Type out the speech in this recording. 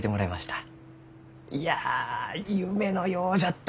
いや夢のようじゃった！